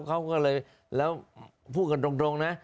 เขาก็เลยแล้วพูดกันตรงนะ